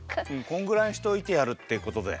こんぐらいにしておいてやるってことで。